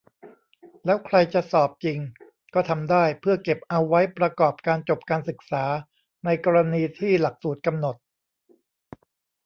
แล้วใครจะสอบจริง ก็ทำได้ เพื่อเก็บเอาไว้ประกอบการจบการศึกษา ในกรณีที่หลักสูตรกำหนด